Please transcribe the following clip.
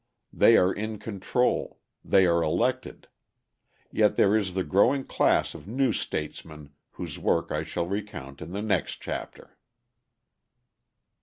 They are in control: they are elected. Yet there is the growing class of new statesmen whose work I shall recount in the next chapter.